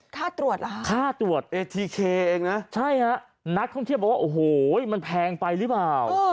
ค่าตรวจเหรอฮะใช่ฮะนักต้องเทียบว่าโอ้โหมันแพงไปหรือเปล่า